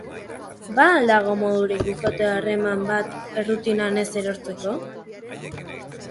Ba al dago modurik bikote harreman bat errutinan ez erortzeko?